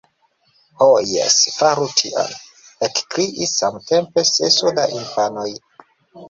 — Ho, jes, faru tion, — ekkriis samtempe seso da infanoj.